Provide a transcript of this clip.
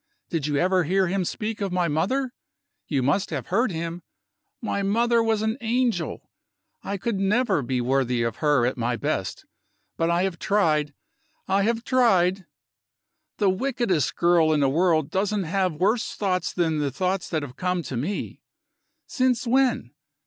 Did you ever hear him speak of my mother? You must have heard him. My mother was an angel. I could never be worthy of her at my best but I have tried! I have tried! The wickedest girl in the world doesn't have worse thoughts than the thoughts that have come to me. Since when?